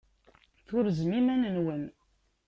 Turzem iman-nwen.